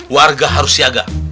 warga harus siaga